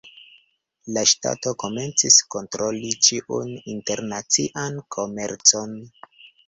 La ŝtato komencis kontroli ĉiun internacian komercon.